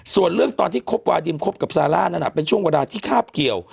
ส่วนเรื่องตอนที่คบวาดิมคบกับซาร่านั้นเป็นช่วงเวลาที่คาบเกี่ยว